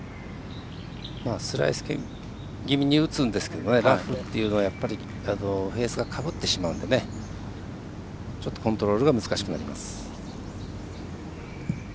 スライス気味に打つんですけどラフっていうのはフェースがかぶってしまうのでちょっとコントロールが難しくなります。